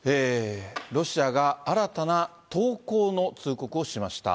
ロシアが新たな投降の通告をしました。